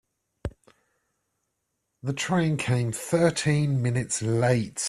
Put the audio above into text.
The train came thirteen minutes late.